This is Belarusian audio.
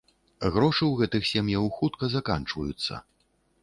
Грошы ў гэтых сем'яў хутка заканчваюцца.